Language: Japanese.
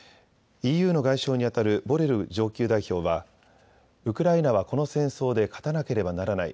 ＥＵの外相にあたるボレル上級代表はウクライナはこの戦争で勝たなければならない。